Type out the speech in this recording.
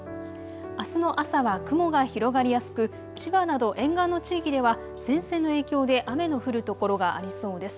あすの朝は雲が広がりやすく千葉など沿岸の地域では前線の影響で雨の降る所がありそうです。